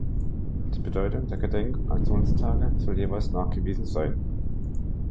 Die Bedeutung der Gedenk- oder Aktionstage soll jeweils nachgewiesen sein.